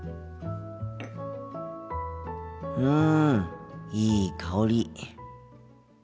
うんいい香り。